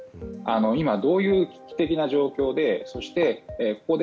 今どういう危機的な状況でここで